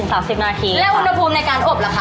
และอุณหภูมิในการอบละคะ